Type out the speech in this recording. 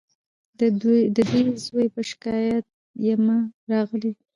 د دې زوی په شکایت یمه راغلې